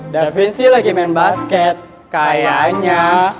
darvin sih lagi main basket kayaknya